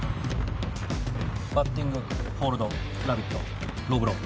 バッティングホールドラビットローブロー